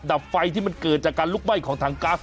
ดับไฟที่มันเกิดจากการลุกไหม้ของถังก๊าซ